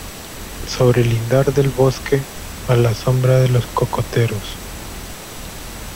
sobre el lindar del bosque, a la sombra de los cocoteros